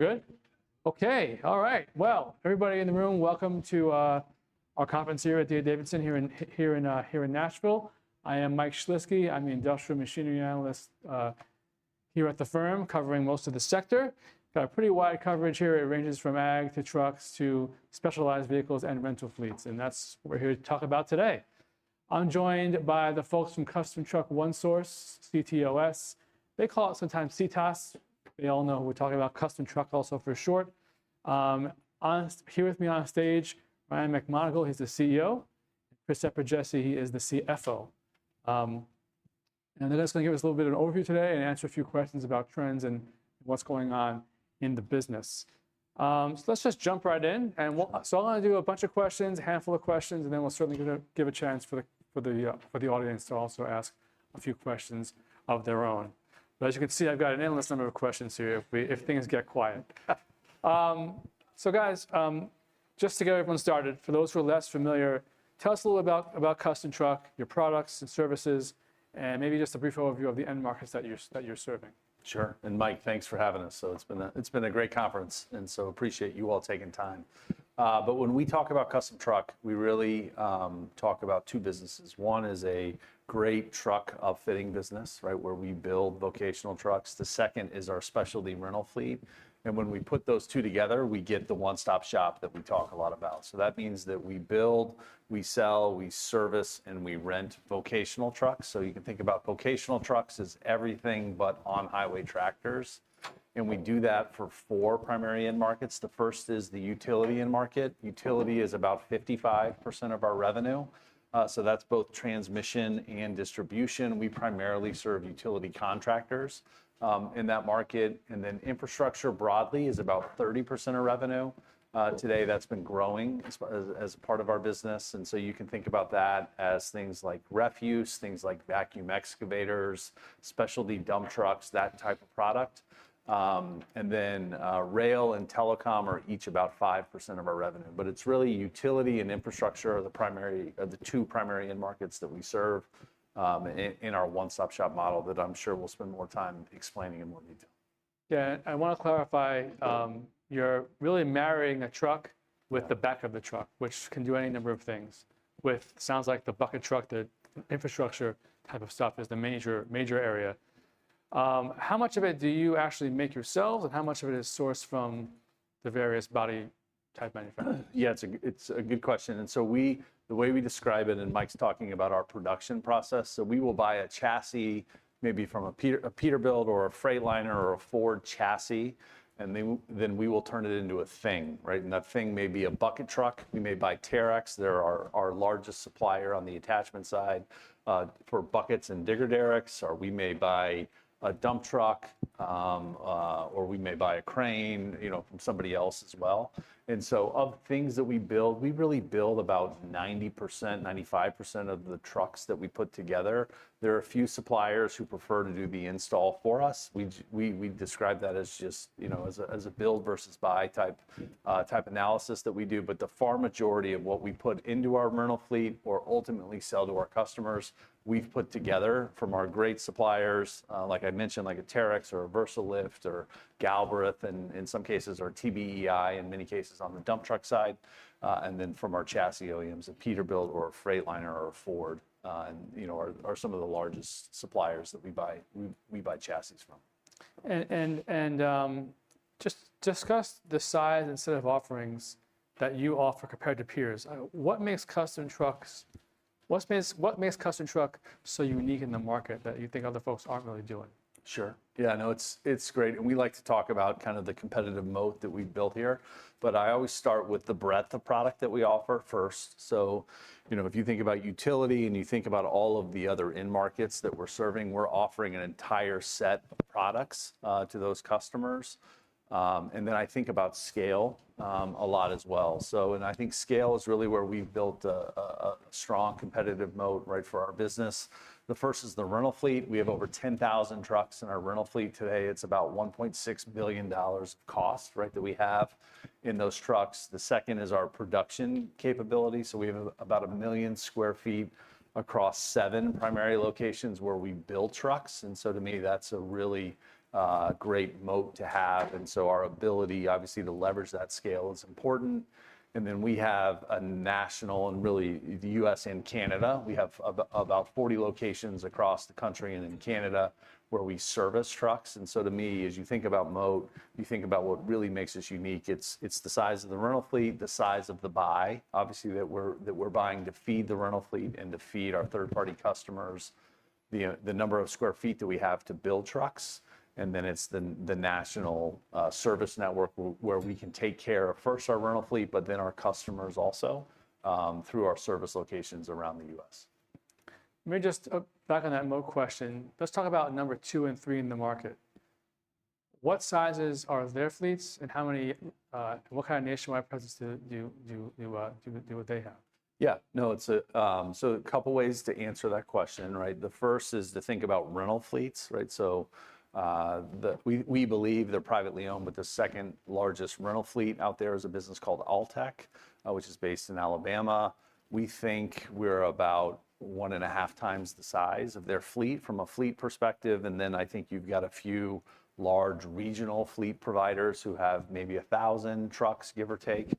Good? Okay. All right, well, everybody in the room, welcome to our conference here at D.A. Davidson here in Nashville. I am Mike Shlisky. I'm the Industrial Machinery Analyst here at the firm, covering most of the sector. Got a pretty wide coverage here. It ranges from ag to trucks to specialized vehicles and rental fleets. And that's what we're here to talk about today. I'm joined by the folks from Custom Truck One Source, CTOS. They call it sometimes CTOS. We all know we're talking about Custom Truck also for short. Here with me on stage, Ryan McMonagle, he's the CEO. Chris Eperjesy, he is the CFO. And that's going to give us a little bit of an overview today and answer a few questions about trends and what's going on in the business, so let's just jump right in. And so I'm going to do a bunch of questions, a handful of questions, and then we'll certainly give a chance for the audience to also ask a few questions of their own. But as you can see, I've got an endless number of questions here if things get quiet. So guys, just to get everyone started, for those who are less familiar, tell us a little about Custom Truck, your products and services, and maybe just a brief overview of the end markets that you're serving. Sure. And Mike, thanks for having us. So it's been a great conference, and so appreciate you all taking time. But when we talk about Custom Truck, we really talk about two businesses. One is a great truck outfitting business, right, where we build vocational trucks. The second is our specialty rental fleet. And when we put those two together, we get the one-stop shop that we talk a lot about. So that means that we build, we sell, we service, and we rent vocational trucks. So you can think about vocational trucks as everything but on-highway tractors. And we do that for four primary end markets. The first is the utility end market. Utility is about 55% of our revenue. So that's both transmission and distribution. We primarily serve utility contractors in that market. And then infrastructure broadly is about 30% of revenue. Today, that's been growing as part of our business, and so you can think about that as things like refuse, things like vacuum excavators, specialty dump trucks, that type of product. And then rail and telecom are each about 5% of our revenue. But it's really utility and infrastructure are the two primary end markets that we serve in our one-stop shop model that I'm sure we'll spend more time explaining in more detail. Yeah. I want to clarify. You're really marrying a truck with the back of the truck, which can do any number of things. With, it sounds like, the bucket truck, the infrastructure type of stuff is the major area. How much of it do you actually make yourselves, and how much of it is sourced from the various body type manufacturers? Yeah, it's a good question, and so the way we describe it, and Mike's talking about our production process, so we will buy a chassis maybe from a Peterbilt or a Freightliner or a Ford chassis, and then we will turn it into a thing, right, and that thing may be a bucket truck. We may buy Terex. They're our largest supplier on the attachment side for buckets and digger derricks, or we may buy a dump truck, or we may buy a crane, you know, from somebody else as well, and so of things that we build, we really build about 90%, 95% of the trucks that we put together. There are a few suppliers who prefer to do the install for us. We describe that as just, you know, as a build versus buy type analysis that we do. But the far majority of what we put into our rental fleet or ultimately sell to our customers, we've put together from our great suppliers, like I mentioned, like a Terex or a Versalift or Galbreath, and in some cases our TBEI, in many cases on the dump truck side. And then from our chassis OEMs, a Peterbilt or a Freightliner or a Ford, you know, are some of the largest suppliers that we buy chassis from. And just discuss the size instead of offerings that you offer compared to peers. What makes Custom Truck so unique in the market that you think other folks aren't really doing? Sure. Yeah, no, it's great. And we like to talk about kind of the competitive moat that we've built here. But I always start with the breadth of product that we offer first. So, you know, if you think about utility and you think about all of the other end markets that we're serving, we're offering an entire set of products to those customers. And then I think about scale a lot as well. So, and I think scale is really where we've built a strong competitive moat, right, for our business. The first is the rental fleet. We have over 10,000 trucks in our rental fleet today. It's about $1.6 billion of cost, right, that we have in those trucks. The second is our production capability. So we have about a million square feet across seven primary locations where we build trucks. And so to me, that's a really great moat to have. And so our ability, obviously, to leverage that scale is important. And then we have a national and really the U.S. and Canada. We have about 40 locations across the country and in Canada where we service trucks. And so to me, as you think about moat, you think about what really makes us unique. It's the size of the rental fleet, the size of the buy, obviously, that we're buying to feed the rental fleet and to feed our third-party customers, the number of square feet that we have to build trucks. And then it's the national service network where we can take care of first our rental fleet, but then our customers also through our service locations around the U.S. Let me just back on that moat question. Let's talk about number two and three in the market. What sizes are their fleets and what kind of nationwide presence do they have? Yeah. No, so a couple of ways to answer that question, right? The first is to think about rental fleets, right? So we believe they're privately owned, but the second largest rental fleet out there is a business called Altec, which is based in Alabama. We think we're about 1.5x the size of their fleet from a fleet perspective. And then I think you've got a few large regional fleet providers who have maybe 1,000 trucks, give or take,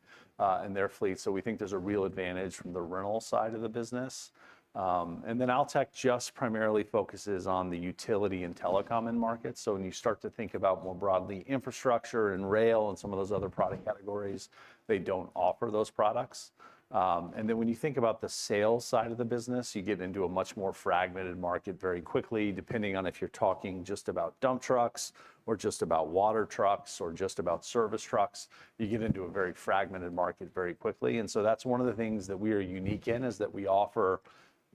in their fleet. So we think there's a real advantage from the rental side of the business. And then Altec just primarily focuses on the utility and telecom end markets. So when you start to think about more broadly infrastructure and rail and some of those other product categories, they don't offer those products. When you think about the sales side of the business, you get into a much more fragmented market very quickly, depending on if you're talking just about dump trucks or just about water trucks or just about service trucks. You get into a very fragmented market very quickly. That's one of the things that we are unique in is that we offer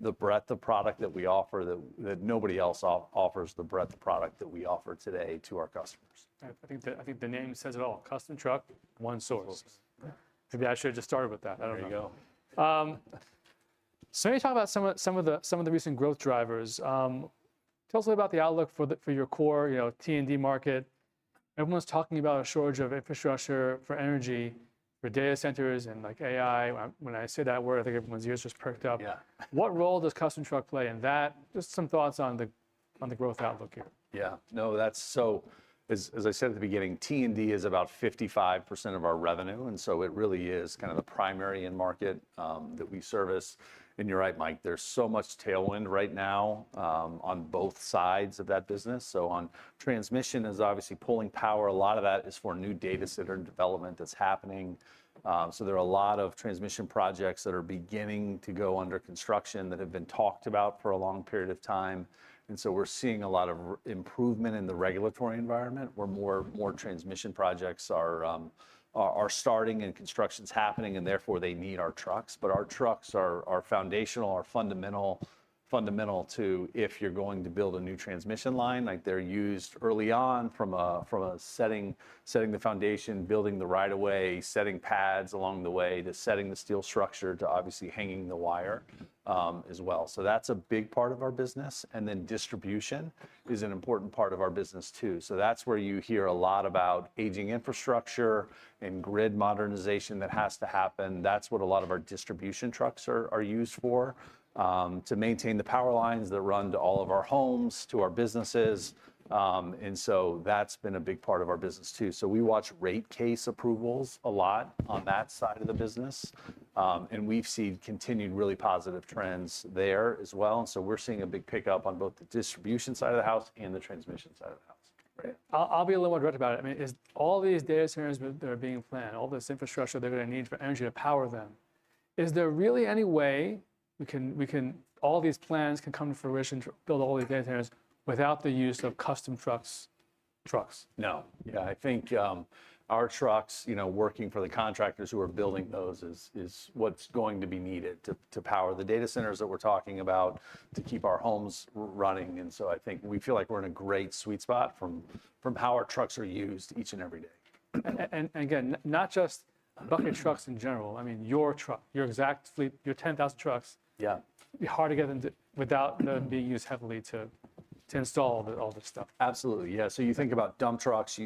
the breadth of product that we offer that nobody else offers the breadth of product that we offer today to our customers. I think the name says it all. Custom Truck One Source. Maybe I should have just started with that. I don't know. So maybe talk about some of the recent growth drivers. Tell us a little bit about the outlook for your core T&D market. Everyone's talking about a shortage of infrastructure for energy, for data centers and like AI. When I say that word, I think everyone's ears just perked up. What role does Custom Truck play in that? Just some thoughts on the growth outlook here. Yeah. No, that's so, as I said at the beginning, T&D is about 55% of our revenue, and so it really is kind of the primary end market that we service, and you're right, Mike, there's so much tailwind right now on both sides of that business, so on transmission is obviously pulling power. A lot of that is for new data center development that's happening, so there are a lot of transmission projects that are beginning to go under construction that have been talked about for a long period of time, and so we're seeing a lot of improvement in the regulatory environment where more transmission projects are starting and construction's happening, and therefore they need our trucks. But our trucks are foundational, are fundamental to if you're going to build a new transmission line, like they're used early on from setting the foundation, building the right-of-way, setting pads along the way to setting the steel structure to obviously hanging the wire as well. So that's a big part of our business. And then distribution is an important part of our business too. So that's where you hear a lot about aging infrastructure and grid modernization that has to happen. That's what a lot of our distribution trucks are used for, to maintain the power lines that run to all of our homes, to our businesses. And so that's been a big part of our business too. So we watch rate case approvals a lot on that side of the business. And we've seen continued really positive trends there as well. We're seeing a big pickup on both the distribution side of the house and the transmission side of the house. I'll be a little more direct about it. I mean, all these data centers that are being planned, all this infrastructure they're going to need for energy to power them, is there really any way we can, all these plans can come to fruition to build all these data centers without the use of custom trucks? No. Yeah, I think our trucks, you know, working for the contractors who are building those is what's going to be needed to power the data centers that we're talking about to keep our homes running, and so I think we feel like we're in a great sweet spot from how our trucks are used each and every day. And again, not just bucket trucks in general. I mean, your truck, your exact fleet, your 10,000 trucks, it'd be hard to get them without them being used heavily to install all this stuff. Absolutely. Yeah. So you think about dump trucks,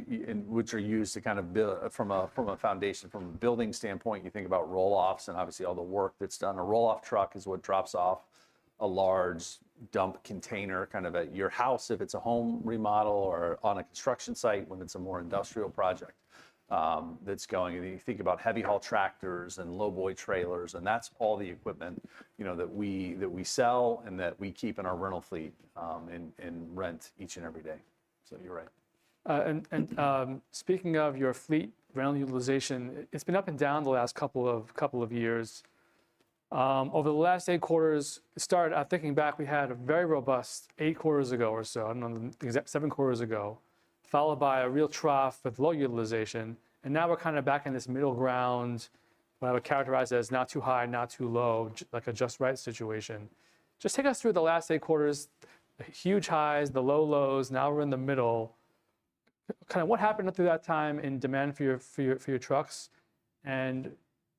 which are used to kind of build from a foundation, from a building standpoint, you think about roll-offs and obviously all the work that's done. A roll-off truck is what drops off a large dump container kind of at your house if it's a home remodel or on a construction site when it's a more industrial project that's going. And you think about heavy haul tractors and lowboy trailers, and that's all the equipment, you know, that we sell and that we keep in our rental fleet and rent each and every day. So you're right. Speaking of your fleet rental utilization, it's been up and down the last couple of years. Over the last eight quarters, started thinking back, we had a very robust eight quarters ago or so, seven quarters ago, followed by a real trough with low utilization. And now we're kind of back in this middle ground, what I would characterize as not too high, not too low, like a just right situation. Just take us through the last eight quarters, the huge highs, the low lows, now we're in the middle. Kind of what happened up through that time in demand for your trucks and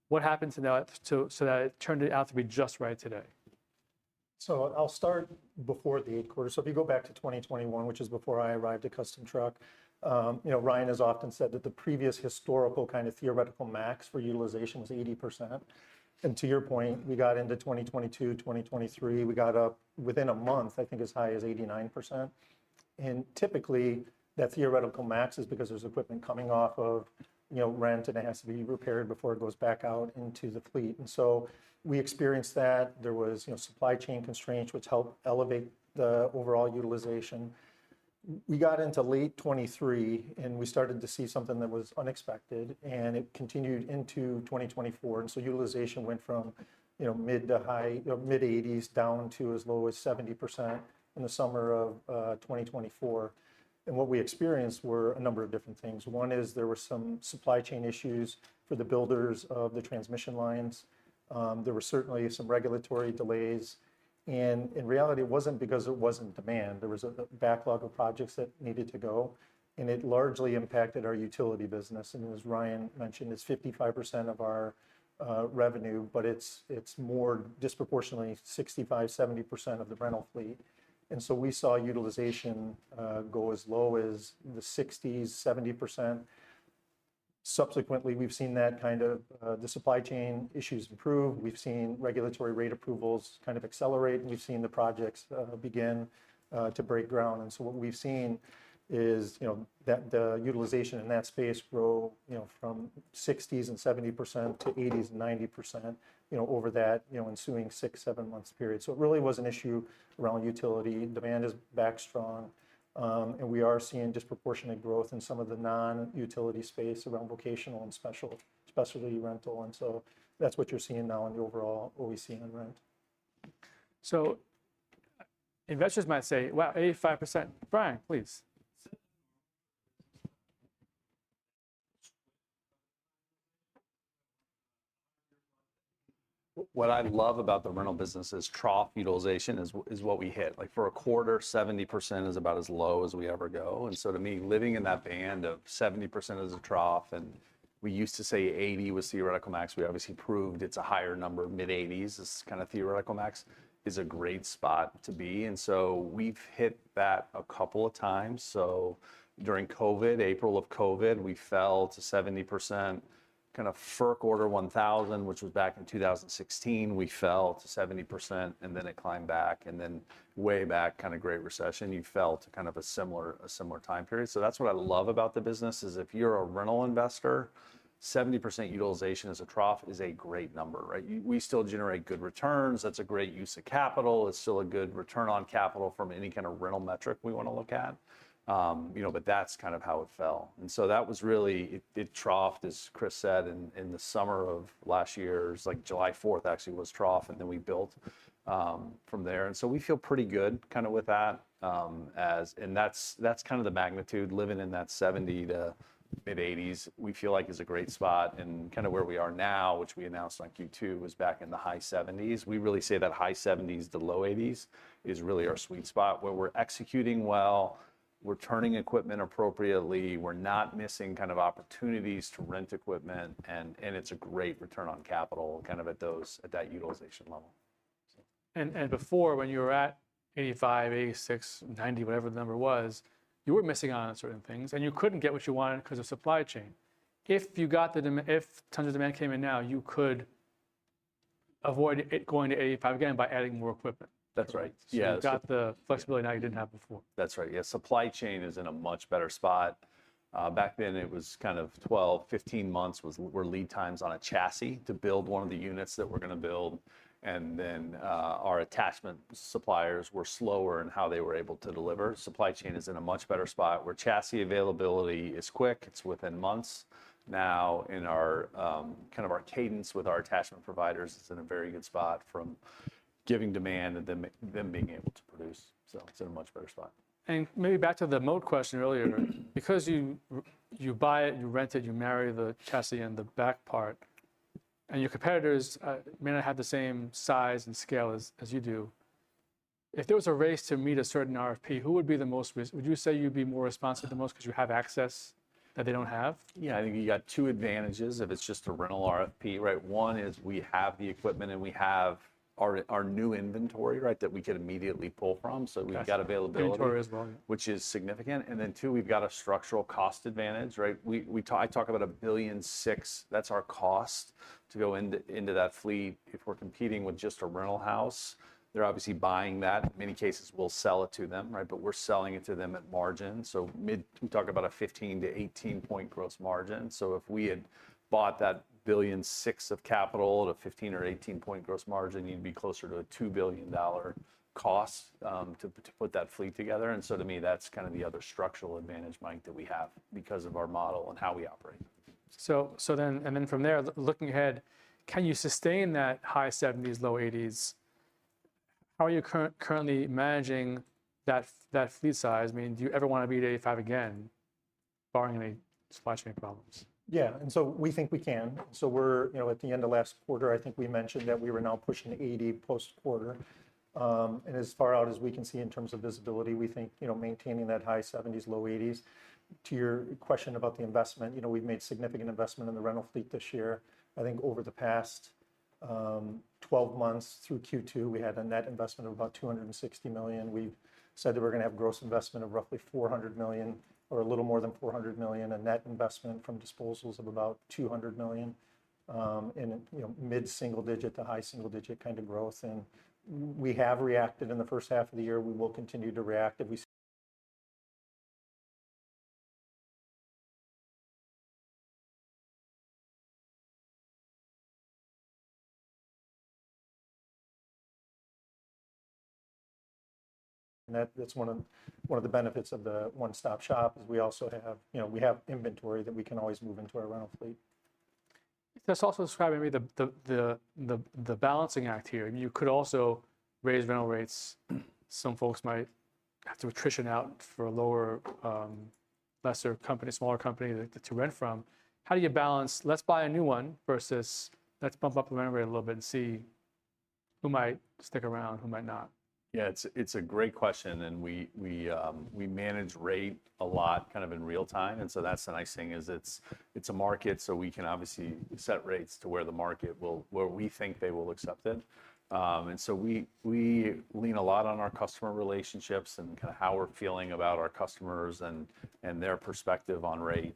what happened to that so that it turned out to be just right today? I'll start before the eight quarters. If you go back to 2021, which is before I arrived at Custom Truck, you know, Ryan has often said that the previous historical kind of theoretical max for utilization was 80%. And to your point, we got into 2022, 2023, we got up within a month, I think, as high as 89%. And typically that theoretical max is because there's equipment coming off of, you know, rent, and it has to be repaired before it goes back out into the fleet. And so we experienced that. There was, you know, supply chain constraints, which helped elevate the overall utilization. We got into late 2023, and we started to see something that was unexpected, and it continued into 2024. And so utilization went from, you know, mid- to high-mid-80s% down to as low as 70% in the summer of 2024. What we experienced were a number of different things. One is there were some supply chain issues for the builders of the transmission lines. There were certainly some regulatory delays. And in reality, it wasn't because it wasn't demand. There was a backlog of projects that needed to go. And it largely impacted our utility business. And as Ryan mentioned, it's 55% of our revenue, but it's more disproportionately 65%-70% of the rental fleet. And so we saw utilization go as low as the 60%-70%. Subsequently, we've seen that kind of the supply chain issues improve. We've seen regulatory rate approvals kind of accelerate. We've seen the projects begin to break ground. And so what we've seen is, you know, that the utilization in that space grow, you know, from 60%-70% to 80%-90%, you know, over that, you know, ensuing six, seven months period. So it really was an issue around utility. Demand is back strong. And we are seeing disproportionate growth in some of the non-utility space around vocational and specialty rental. And so that's what you're seeing now in the overall OEC on rent. So investors might say, wow, 85%. Ryan, please. What I love about the rental business is trough utilization is what we hit. Like for a quarter, 70% is about as low as we ever go. And so to me, living in that band of 70% is a trough. And we used to say 80% was theoretical max. We obviously proved it's a higher number. Mid-80s% is kind of theoretical max is a great spot to be. And so we've hit that a couple of times. So during COVID, April of COVID, we fell to 70%, kind of FERC Order 1000, which was back in 2016. We fell to 70% and then it climbed back. And then way back, kind of Great Recession, you fell to kind of a similar time period. So that's what I love about the business is if you're a rental investor, 70% utilization as a trough is a great number, right? We still generate good returns. That's a great use of capital. It's still a good return on capital from any kind of rental metric we want to look at, you know, but that's kind of how it fell, and so that was really, it troughed, as Chris said, in the summer of last year. It was like July 4th actually was trough and then we built from there, and so we feel pretty good kind of with that, and that's kind of the magnitude living in that 70 to mid '80s. We feel like it's a great spot, and kind of where we are now, which we announced on Q2 was back in the high 70s. We really say that high 70s to low 80s is really our sweet spot where we're executing well, we're turning equipment appropriately, we're not missing kind of opportunities to rent equipment. It's a great return on capital kind of at that utilization level. Before when you were at 85, 86, 90, whatever the number was, you were missing on certain things and you couldn't get what you wanted because of supply chain. If tons of demand came in now, you could avoid it going to 85 again by adding more equipment. That's right. Yes. You got the flexibility now you didn't have before. That's right. Yeah. Supply chain is in a much better spot. Back then it was kind of 12 months-15 months were lead times on a chassis to build one of the units that we're going to build. And then our attachment suppliers were slower in how they were able to deliver. Supply chain is in a much better spot where chassis availability is quick. It's within months. Now in our kind of our cadence with our attachment providers, it's in a very good spot from giving demand and then being able to produce. So it's in a much better spot. And maybe back to the moat question earlier, because you buy it, you rent it, you marry the chassis and the back part, and your competitors may not have the same size and scale as you do. If there was a race to meet a certain RFP, who would be the most risk? Would you say you'd be more responsible than most because you have access that they don't have? Yeah, I think you got two advantages if it's just a rental RFP, right? One is we have the equipment and we have our new inventory, right, that we can immediately pull from. So we've got availability. Inventory as well. Which is significant. And then two, we've got a structural cost advantage, right? I talk about $1.6 billion. That's our cost to go into that fleet. If we're competing with just a rental house, they're obviously buying that. In many cases, we'll sell it to them, right? But we're selling it to them at margin. So we talk about a 15%-18% gross margin. So if we had bought that $1.6 billion of capital at a 15%-18% gross margin, you'd be closer to a $2 billion cost to put that fleet together. And so to me, that's kind of the other structural advantage, Mike, that we have because of our model and how we operate. So then, and then from there, looking ahead, can you sustain that high 70s, low 80s? How are you currently managing that fleet size? I mean, do you ever want to be at 85 again, barring any supply chain problems? Yeah. And so we think we can. So we're, you know, at the end of last quarter, I think we mentioned that we were now pushing 80% post quarter. And as far out as we can see in terms of visibility, we think, you know, maintaining that high 70s-low 80s. To your question about the investment, you know, we've made significant investment in the rental fleet this year. I think over the past 12 months through Q2, we had a net investment of about $260 million. We've said that we're going to have gross investment of roughly $400 million or a little more than $400 million, a net investment from disposals of about $200 million. And, you know, mid single digit to high single digit kind of growth. And we have reacted in the first half of the year. We will continue to react if we. That's one of the benefits of the one-stop shop is we also have, you know, inventory that we can always move into our rental fleet. That's also describing maybe the balancing act here. You could also raise rental rates. Some folks might have to attrition out for a lower, lesser company, smaller company to rent from. How do you balance, let's buy a new one versus let's bump up the rental rate a little bit and see who might stick around, who might not? Yeah, it's a great question. And we manage rate a lot kind of in real time. And so that's the nice thing is it's a market. So we can obviously set rates to where the market will, where we think they will accept it. And so we lean a lot on our customer relationships and kind of how we're feeling about our customers and their perspective on rate.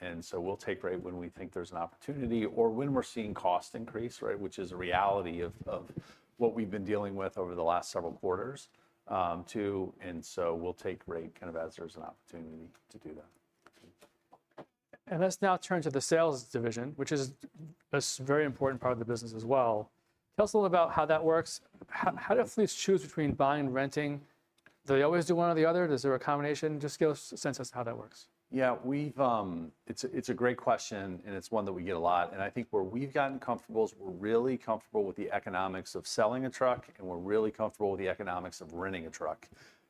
And so we'll take rate when we think there's an opportunity or when we're seeing cost increase, right, which is a reality of what we've been dealing with over the last several quarters too. And so we'll take rate kind of as there's an opportunity to do that. Let's now turn to the sales division, which is a very important part of the business as well. Tell us a little about how that works. How do fleets choose between buying and renting? Do they always do one or the other? Is there a combination? Just give us a sense as to how that works. Yeah, it's a great question and it's one that we get a lot. And I think where we've gotten comfortable is we're really comfortable with the economics of selling a truck and we're really comfortable with the economics of renting a truck.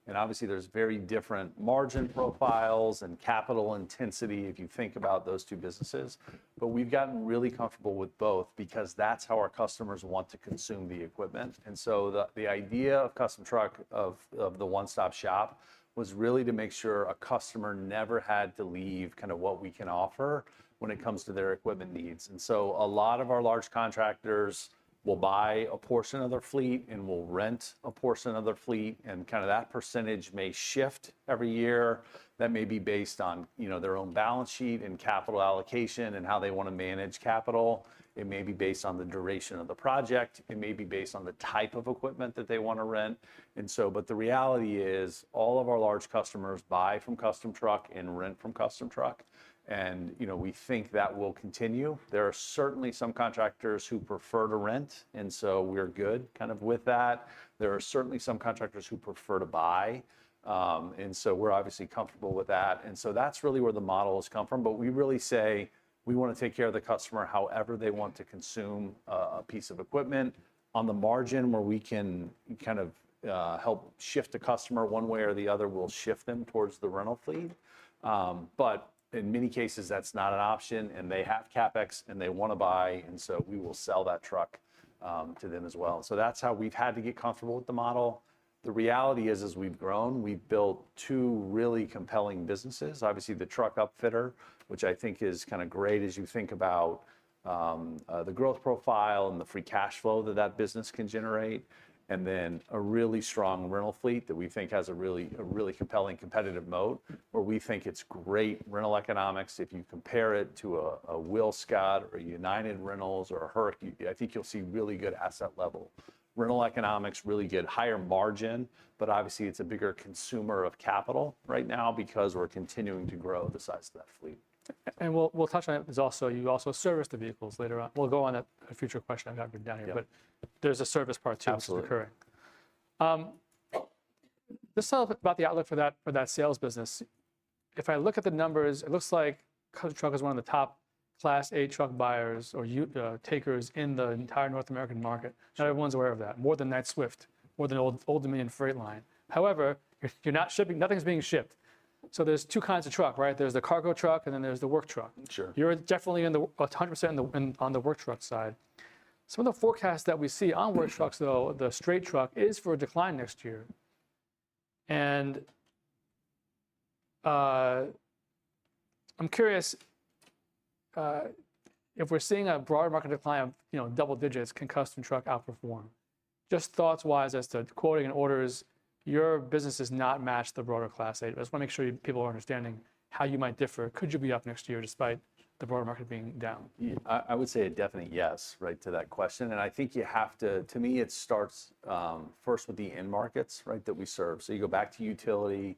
And obviously there's very different margin profiles and capital intensity if you think about those two businesses. But we've gotten really comfortable with both because that's how our customers want to consume the equipment. And so the idea of Custom Truck, of the one-stop shop, was really to make sure a customer never had to leave kind of what we can offer when it comes to their equipment needs. And so a lot of our large contractors will buy a portion of their fleet and will rent a portion of their fleet. And kind of that percentage may shift every year. That may be based on, you know, their own balance sheet and capital allocation and how they want to manage capital. It may be based on the duration of the project. It may be based on the type of equipment that they want to rent. And so, but the reality is all of our large customers buy from Custom Truck and rent from Custom Truck. And, you know, we think that will continue. There are certainly some contractors who prefer to rent. And so we're good kind of with that. There are certainly some contractors who prefer to buy. And so we're obviously comfortable with that. And so that's really where the model has come from. But we really say we want to take care of the customer however they want to consume a piece of equipment. On the margin where we can kind of help shift the customer one way or the other, we'll shift them towards the rental fleet. But in many cases, that's not an option and they have CapEx and they want to buy. And so we will sell that truck to them as well. So that's how we've had to get comfortable with the model. The reality is, as we've grown, we've built two really compelling businesses. Obviously, the Truck Upfitter, which I think is kind of great as you think about the growth profile and the free cash flow that that business can generate. And then a really strong rental fleet that we think has a really compelling competitive moat where we think it's great rental economics. If you compare it to a WillScot or United Rentals or a Herc, I think you'll see really good asset level rental economics, really good higher margin. But obviously it's a bigger consumer of capital right now because we're continuing to grow the size of that fleet. We'll touch on it. There's also. You also service the vehicles later on. We'll go on to a future question. I've got written down here, but there's a service part too occurring. Absolutely. Just tell us about the outlook for that sales business. If I look at the numbers, it looks like Custom Truck is one of the top Class 8 truck buyers or takers in the entire North American market. Not everyone's aware of that. More than Knight-Swift, more than Old Dominion Freight Line. However, you're not shipping. Nothing's being shipped. So there's two kinds of truck, right? There's the cargo truck and then there's the work truck. Sure. You're definitely 100% on the work truck side. Some of the forecasts that we see on work trucks though, the straight truck is for a decline next year. And I'm curious if we're seeing a broader market decline of, you know, double digits, can Custom Truck outperform? Just thoughts wise as to quoting and orders, your business does not match the broader Class 8. I just want to make sure people are understanding how you might differ. Could you be up next year despite the broader market being down? I would say a definite yes, right, to that question. And I think you have to. To me it starts first with the end markets, right, that we serve. So you go back to utility.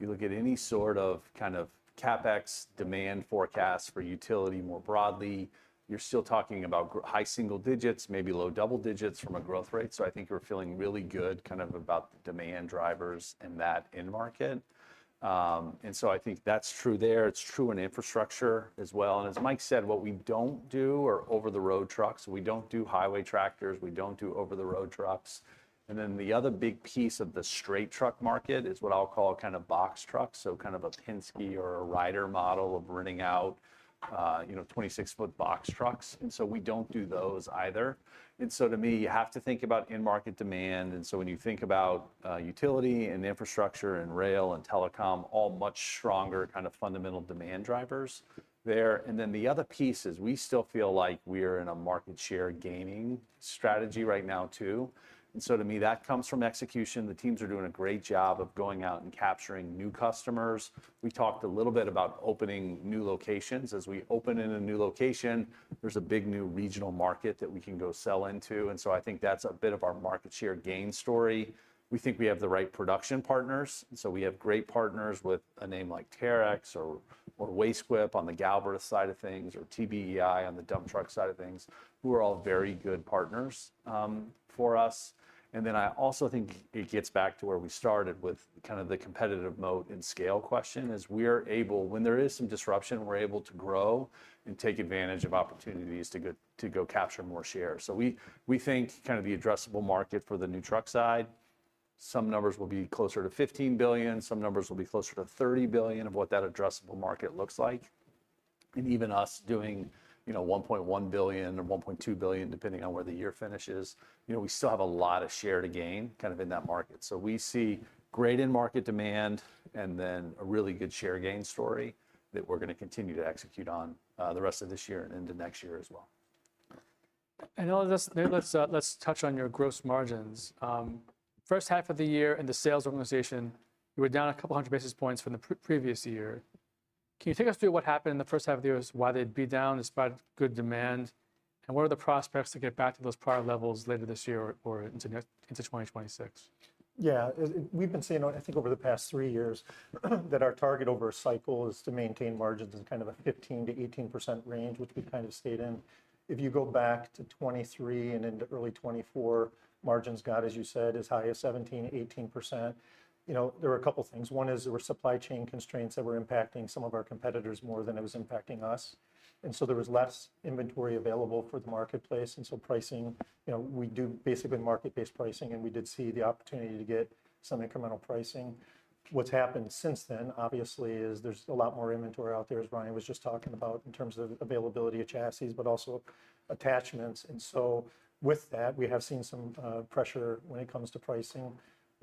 You look at any sort of kind of CapEx demand forecast for utility more broadly. You're still talking about high single digits, maybe low double digits from a growth rate. So I think we're feeling really good kind of about the demand drivers and that end market. And so I think that's true there. It's true in infrastructure as well. And as Mike said, what we don't do are over-the-road trucks. We don't do highway tractors. We don't do over-the-road trucks. And then the other big piece of the straight truck market is what I'll call kind of box trucks. So, kind of a Penske or a Ryder model of renting out, you know, 26 foot box trucks. And so we don't do those either. And so to me, you have to think about end market demand. And so when you think about utility and infrastructure and rail and telecom, all much stronger kind of fundamental demand drivers there. And then the other piece is we still feel like we are in a market share gaming strategy right now too. And so to me, that comes from execution. The teams are doing a great job of going out and capturing new customers. We talked a little bit about opening new locations. As we open in a new location, there's a big new regional market that we can go sell into. And so I think that's a bit of our market share game story. We think we have the right production partners. And so we have great partners with a name like Terex or Wastequip on the Galbreath side of things or TBEI on the dump truck side of things who are all very good partners for us. And then I also think it gets back to where we started with kind of the competitive moat and scale question is we are able, when there is some disruption, we're able to grow and take advantage of opportunities to go capture more share. So we think kind of the addressable market for the new truck side, some numbers will be closer to $15 billion. Some numbers will be closer to $30 billion of what that addressable market looks like. Even us doing, you know, $1.1 billion or $1.2 billion depending on where the year finishes, you know, we still have a lot of share to gain kind of in that market. So we see great in-market demand and then a really good share gain story that we're going to continue to execute on the rest of this year and into next year as well. And let's touch on your gross margins. First half of the year in the sales organization, you were down a couple hundred basis points from the previous year. Can you take us through what happened in the first half of the year is why they'd be down despite good demand? And what are the prospects to get back to those prior levels later this year or into 2026? Yeah, we've been saying, I think over the past three years that our target over a cycle is to maintain margins in kind of a 15%-18% range, which we kind of stayed in. If you go back to 2023 and into early 2024, margins got, as you said, as high as 17%-18%. You know, there were a couple of things. One is there were supply chain constraints that were impacting some of our competitors more than it was impacting us, and so there was less inventory available for the marketplace, and so pricing, you know, we do basically market-based pricing and we did see the opportunity to get some incremental pricing. What's happened since then, obviously, is there's a lot more inventory out there, as Ryan was just talking about, in terms of availability of chassis, but also attachments. With that, we have seen some pressure when it comes to pricing.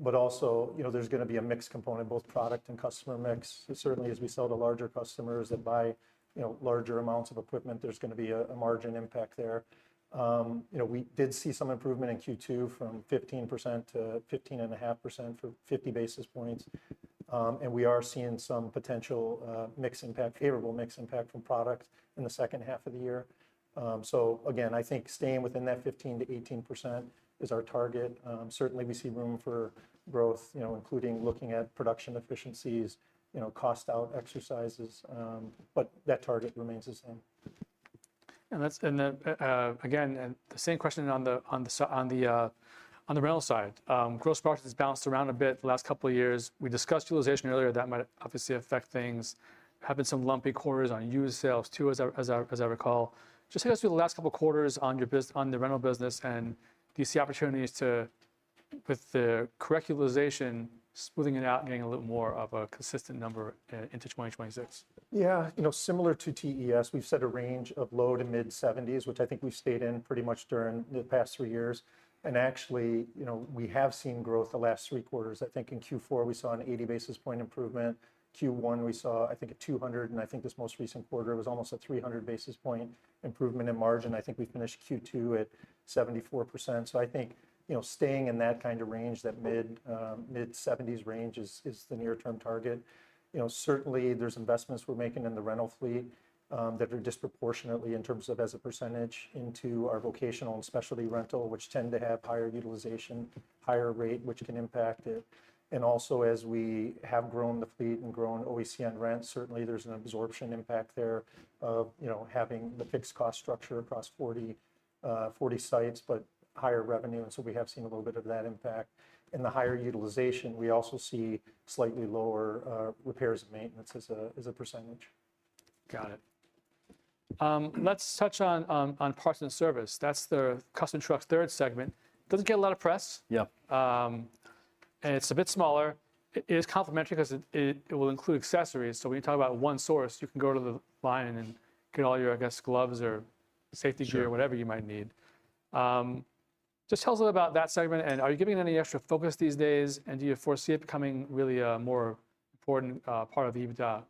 But also, you know, there's going to be a mixed component, both product and customer mix. Certainly, as we sell to larger customers that buy, you know, larger amounts of equipment, there's going to be a margin impact there. You know, we did see some improvement in Q2 from 15%-15.5% for 50 basis points. And we are seeing some potential mixed impact, favorable mixed impact from product in the second half of the year. So again, I think staying within that 15%-18% is our target. Certainly, we see room for growth, you know, including looking at production efficiencies, you know, cost out exercises. But that target remains the same. And that's, and again, the same question on the rental side. Gross margins balanced around a bit the last couple of years. We discussed utilization earlier that might obviously affect things. There have been some lumpy quarters on used sales too, as I recall. Just take us through the last couple of quarters on your business, on the rental business, and do you see opportunities to, with the correct utilization, smooth it out and get a little more of a consistent number into 2026? Yeah, you know, similar to Tes, we've set a range of low- to mid-70s, which I think we've stayed in pretty much during the past three years. And actually, you know, we have seen growth the last three quarters. I think in Q4 we saw an 80 basis points improvement. Q1 we saw, I think, a 200 basis points, and I think this most recent quarter was almost a 300 basis points improvement in margin. I think we finished Q2 at 74%. So I think, you know, staying in that kind of range, that mid-70s range is the near-term target. You know, certainly there's investments we're making in the rental fleet that are disproportionately in terms of as a percentage into our vocational and specialty rental, which tend to have higher utilization, higher rate, which can impact it. And also, as we have grown the fleet and grown OEC and rent, certainly there's an absorption impact there of, you know, having the fixed cost structure across 40 sites, but higher revenue. And so we have seen a little bit of that impact. And the higher utilization, we also see slightly lower repairs and maintenance as a percentage. Got it. Let's touch on parts and service. That's the Custom Truck's third segment. Doesn't get a lot of press. Yeah. And it's a bit smaller. It is complementary because it will include accessories. So when you talk about one source, you can go online and get all your, I guess, gloves or safety gear or whatever you might need. Just tell us a little about that segment. And are you giving it any extra focus these days? And do you foresee it becoming really a more important part of EBITDA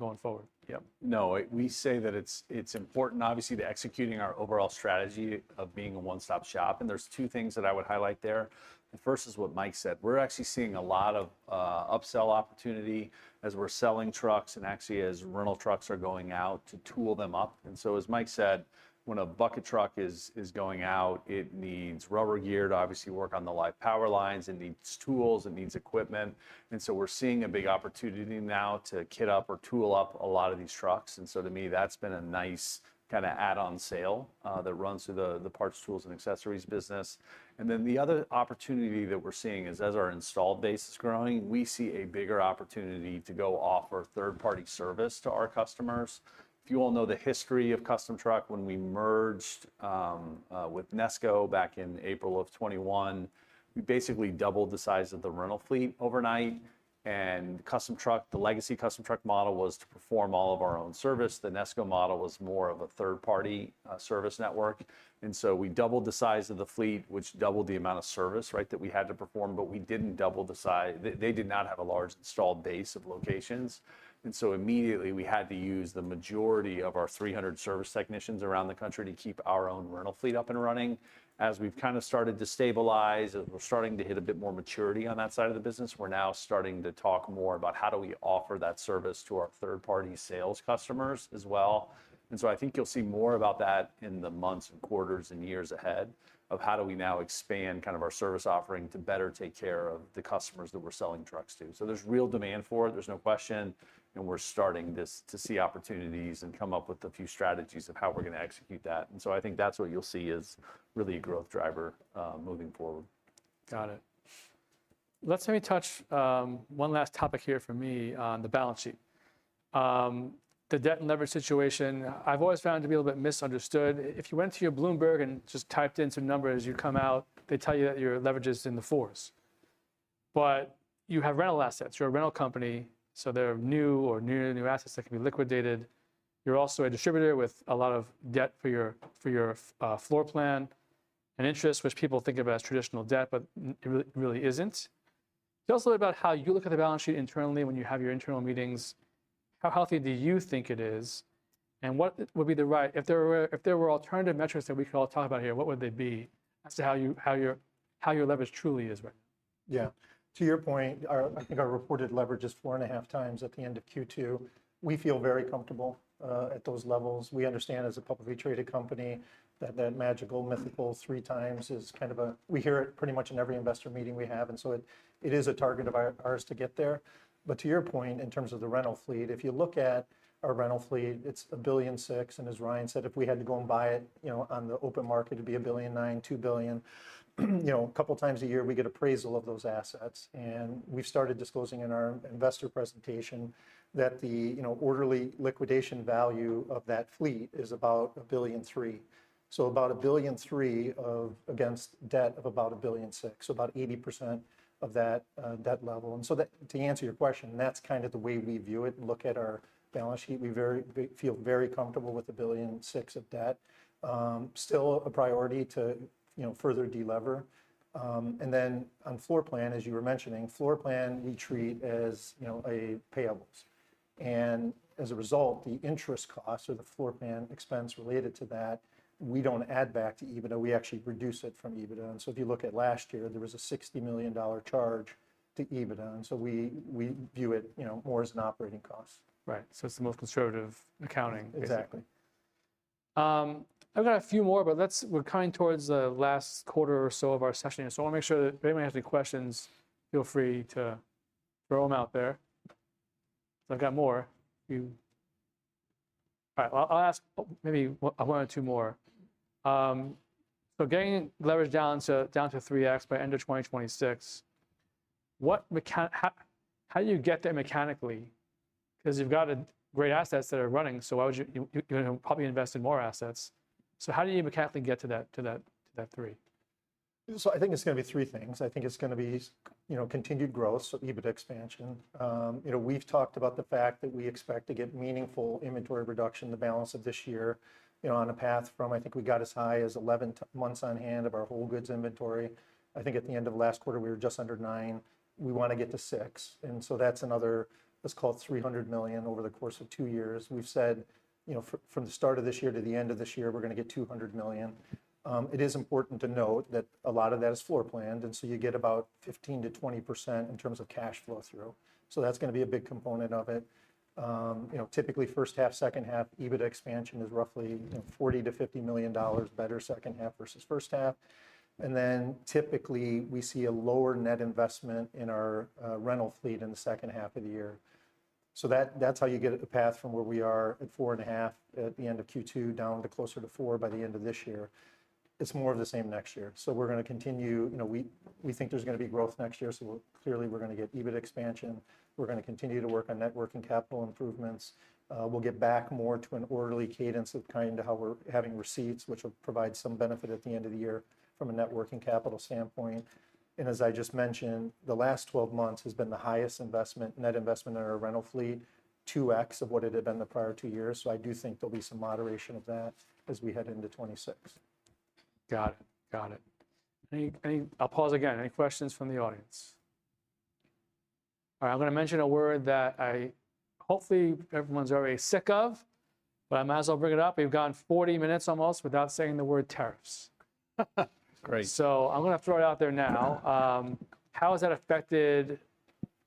going forward? Yeah. No, we say that it's important, obviously, to execute our overall strategy of being a one-stop shop, and there's two things that I would highlight there. The first is what Mike said. We're actually seeing a lot of upsell opportunity as we're selling trucks and actually as rental trucks are going out to tool them up, and so, as Mike said, when a bucket truck is going out, it needs rubber gear to obviously work on the live power lines. It needs tools. It needs equipment, and so we're seeing a big opportunity now to kit up or tool up a lot of these trucks, and so to me, that's been a nice kind of add-on sale that runs through the parts, tools, and accessories business. And then the other opportunity that we're seeing is, as our installed base is growing, we see a bigger opportunity to go offer third-party service to our customers. If you all know the history of Custom Truck, when we merged with Nesco back in April of 2021, we basically doubled the size of the rental fleet overnight. And Custom Truck, the legacy Custom Truck model was to perform all of our own service. The Nesco model was more of a third-party service network. And so we doubled the size of the fleet, which doubled the amount of service, right, that we had to perform. But we didn't double the size. They did not have a large installed base of locations. And so immediately we had to use the majority of our 300 service technicians around the country to keep our own rental fleet up and running. As we've kind of started to stabilize, we're starting to hit a bit more maturity on that side of the business. We're now starting to talk more about how do we offer that service to our third-party sales customers as well. And so I think you'll see more about that in the months and quarters and years ahead of how do we now expand kind of our service offering to better take care of the customers that we're selling trucks to. So there's real demand for it. There's no question. And we're starting this to see opportunities and come up with a few strategies of how we're going to execute that. And so I think that's what you'll see is really a growth driver moving forward. Got it. Let's maybe touch one last topic here for me on the balance sheet. The debt and leverage situation, I've always found to be a little bit misunderstood. If you went to your Bloomberg and just typed in some numbers, you come out, they tell you that your leverage is in the fours. But you have rental assets. You're a rental company. So there are new or near-new assets that can be liquidated. You're also a distributor with a lot of debt for your floor plan and interest, which people think of as traditional debt, but it really isn't. Tell us a little bit about how you look at the balance sheet internally when you have your internal meetings. How healthy do you think it is? What would be the right, if there were alternative metrics that we could all talk about here, what would they be as to how your leverage truly is right now? Yeah. To your point, I think our reported leverage is 4.5x at the end of Q2. We feel very comfortable at those levels. We understand as a publicly traded company that that magical, mythical 3x is kind of a, we hear it pretty much in every investor meeting we have. And so it is a target of ours to get there. But to your point, in terms of the rental fleet, if you look at our rental fleet, it's $1.6 billion. And as Ryan said, if we had to go and buy it, you know, on the open market, it'd be $1.9-$2 billion. You know, a couple of times a year we get appraisal of those assets. And we've started disclosing in our investor presentation that the, you know, orderly liquidation value of that fleet is about $1.3 billion. So about $1.3 billion against debt of about $1.6 billion. So about 80% of that debt level. And so to answer your question, that's kind of the way we view it and look at our balance sheet. We feel very comfortable with $1.6 billion of debt. Still a priority to, you know, further delever. And then on floor plan, as you were mentioning, floor plan we treat as, you know, a payables. And as a result, the interest costs or the floor plan expense related to that, we don't add back to EBITDA. We actually reduce it from EBITDA. And so if you look at last year, there was a $60 million charge to EBITDA. And so we view it, you know, more as an operating cost. Right. So it's the most conservative accounting. Exactly. I've got a few more, but we're coming towards the last quarter or so of our session. So I want to make sure that if anybody has any questions, feel free to throw them out there. I've got more. All right. I'll ask maybe one or two more. So getting leverage down to 3x by end of 2026, how do you get there mechanically? Because you've got great assets that are running. So why would you probably invest in more assets? So how do you mechanically get to that three? I think it's going to be three things. I think it's going to be, you know, continued growth, so EBITDA expansion. You know, we've talked about the fact that we expect to get meaningful inventory reduction in the balance of this year, you know, on a path from, I think we got as high as 11 months on hand of our whole goods inventory. I think at the end of last quarter, we were just under nine. We want to get to six. And so that's another, let's call it $300 million over the course of two years. We've said, you know, from the start of this year to the end of this year, we're going to get $200 million. It is important to note that a lot of that is floor planned. And so you get about 15%-20% in terms of cash flow through. So that's going to be a big component of it. You know, typically first half, second half, EBITDA expansion is roughly, you know, $40 million-$50 million better second half versus first half. And then typically we see a lower net investment in our rental fleet in the second half of the year. So that's how you get a path from where we are at four and a half at the end of Q2 down to closer to four by the end of this year. It's more of the same next year. So we're going to continue, you know, we think there's going to be growth next year. So clearly we're going to get EBITDA expansion. We're going to continue to work on net working capital improvements. We'll get back more to an orderly cadence of kind of how we're having receipts, which will provide some benefit at the end of the year from a net working capital standpoint. And as I just mentioned, the last 12 months has been the highest investment, net investment in our rental fleet, 2x of what it had been the prior two years. So I do think there'll be some moderation of that as we head into 2026. Got it. Got it. I'll pause again. Any questions from the audience? All right. I'm going to mention a word that I hopefully everyone's already sick of, but I might as well bring it up. We've gone 40 minutes almost without saying the word tariffs. Great. So I'm going to throw it out there now. How has that affected,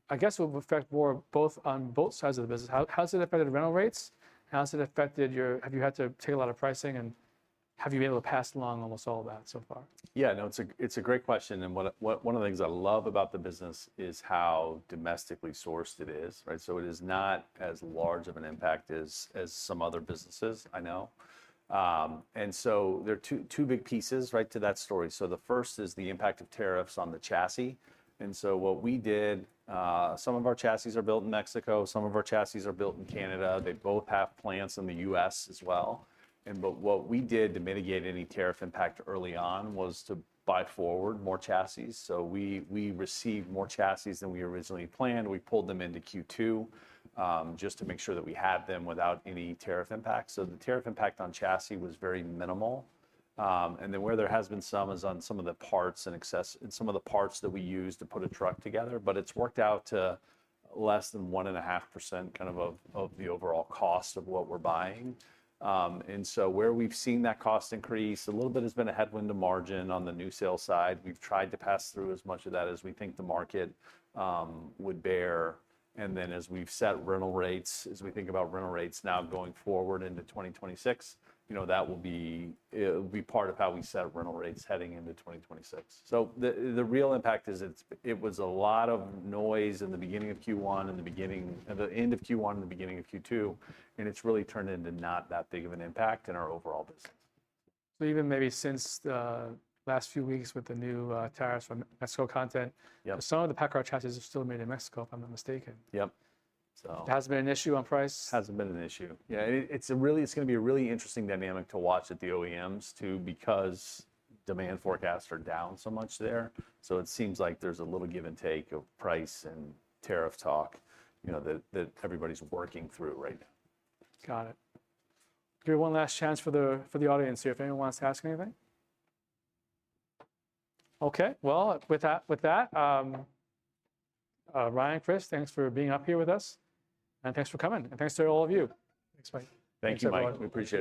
I guess it will affect more both on both sides of the business? How has it affected rental rates? How has it affected your, have you had to take a lot of pricing and have you been able to pass along almost all of that so far? Yeah, no, it's a great question, and one of the things I love about the business is how domestically sourced it is, right, so it is not as large of an impact as some other businesses, I know, and so there are two big pieces, right, to that story, so the first is the impact of tariffs on the chassis, and so what we did, some of our chassis are built in Mexico. Some of our chassis are built in Canada. They both have plants in the U.S. as well, and but what we did to mitigate any tariff impact early on was to buy forward more chassis, so we received more chassis than we originally planned. We pulled them into Q2 just to make sure that we had them without any tariff impact, so the tariff impact on chassis was very minimal. And then where there has been some is on some of the parts and some of the parts that we use to put a truck together. But it's worked out to less than 1.5% kind of of the overall cost of what we're buying. And so where we've seen that cost increase, a little bit has been a headwind to margin on the new sale side. We've tried to pass through as much of that as we think the market would bear. And then as we've set rental rates, as we think about rental rates now going forward into 2026, you know, that will be part of how we set rental rates heading into 2026. So the real impact is it was a lot of noise in the beginning of Q1 and the beginning of the end of Q1 and the beginning of Q2. It's really turned into not that big of an impact in our overall business. Even maybe since the last few weeks with the new tariffs from Mexican content, some of the PACCAR chassis are still made in Mexico, if I'm not mistaken. Yep. So it hasn't been an issue on price? Hasn't been an issue. Yeah. It's really, it's going to be a really interesting dynamic to watch at the OEMs too because demand forecasts are down so much there. So it seems like there's a little give and take of price and tariff talk, you know, that everybody's working through right now. Got it. Give me one last chance for the audience here if anyone wants to ask anything. Okay. Well, with that, Ryan, Chris, thanks for being up here with us. And thanks for coming. And thanks to all of you. Thanks, Mike. Thank you, Mike. We appreciate it.